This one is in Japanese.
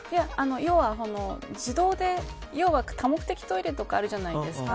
要は自動で多目的トイレとかあるじゃないですか。